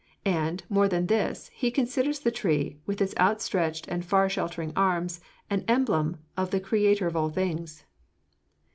And, more than this, he considers the tree, with its out stretched and far sheltering arms, an emblem of the creator of all things."